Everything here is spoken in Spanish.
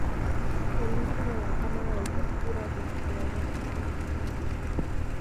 El uso de la cámara de tortura durante la Edad Media era frecuente.